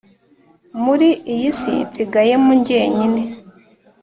Muri iyi si nsigayemo njyenyine